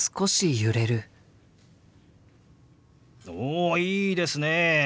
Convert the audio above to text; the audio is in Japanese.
おいいですね！